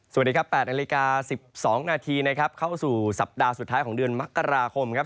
สวัสดีครับ๘นาฬิกา๑๒นาทีนะครับเข้าสู่สัปดาห์สุดท้ายของเดือนมกราคมครับ